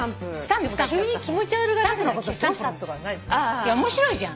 いや面白いじゃん。